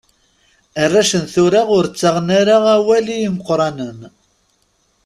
Arrac n tura ur ttaɣen ara awal i yimeqqranen.